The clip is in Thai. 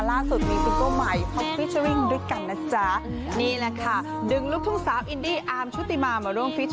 ล่าสุดมีใหม่ด้วยกันนะจ๊ะนี่แหละค่ะดึงลูกทุ่งสาวอินดี้อาร์มชุติมามาร่วม